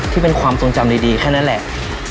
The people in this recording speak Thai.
ที่เป็นความทรงจำดีแค่นั้นแหละ